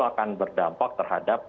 akan berdampak terhadap